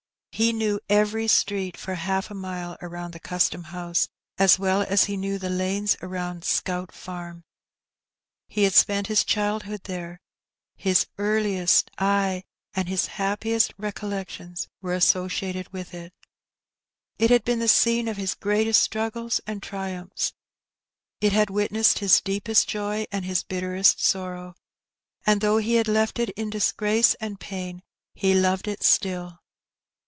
He knew every street for half a mile around the Custom House as well as he knew the lanes around Scout Farm. He had spent his childhood there; his earliest, ay, and his happiest recollections were associated with it. It had been the scene of his greatest struggles and triumphs. It had witnessed his deepest joy and his bitterest sorrow, and though he had left it in disgrace and pain, he loved it still.